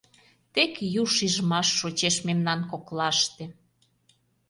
Тек ю шижмаш шочеш мемнан коклаште.